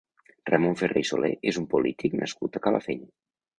Ramon Ferré i Solé és un polític nascut a Calafell.